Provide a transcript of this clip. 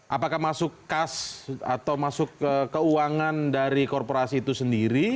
apakah masuk kas atau masuk keuangan dari korporasi itu sendiri